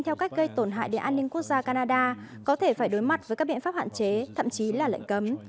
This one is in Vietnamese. theo cách gây tổn hại để an ninh quốc gia canada có thể phải đối mặt với các biện pháp hạn chế thậm chí là lệnh cấm